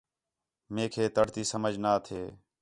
میک ہے تَڑ تی سمجھ نا تھے